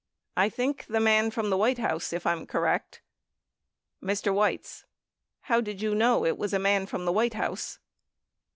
I think the man from the White House, if I'm correct. Mr. Weitz. How did you know it was a man from the "White House?